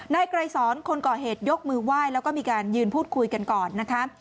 ไกรสอนคนก่อเหตุยกมือไหว้แล้วก็มีการยืนพูดคุยกันก่อนนะคะ